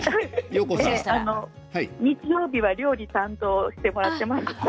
日曜日は料理担当してもらっています。